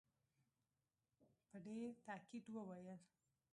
په ډېر تاءکید وویل.